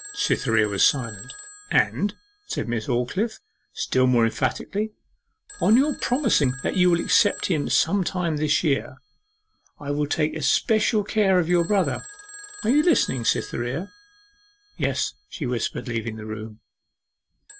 Cytherea was silent. 'And,' said Miss Aldclyffe, still more emphatically, 'on your promising that you will accept him some time this year, I will take especial care of your brother. You are listening, Cytherea?' 'Yes,' she whispered, leaving the room.